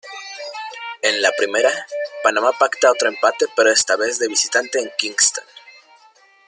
En la primera, Panamá pacta otro empate pero esta vez de visitante en Kingston.